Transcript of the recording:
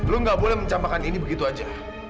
lo nggak boleh mencapahkan indy begitu aja